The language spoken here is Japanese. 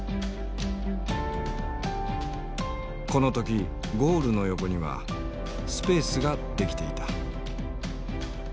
この時ゴールの横にはスペースができていた。